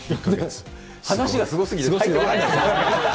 話がすごすぎて入ってこない。